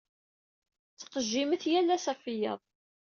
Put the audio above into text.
Ttqejjiment yal ass ɣef wiyaḍ.